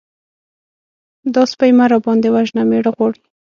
_دا سپۍ مه راباندې وژنه! مېړه غواړي.